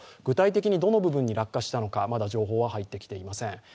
具体的にどの部分に落下したのか、まだ情報は入ってきていません。